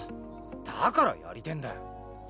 だからやりてえんだよ。